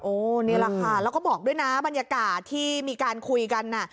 นี่แหละค่ะแล้วก็บอกด้วยนะบรรยากาศที่มีการคุยกันน่ะ